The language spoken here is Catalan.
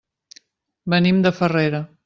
Venim de Farrera.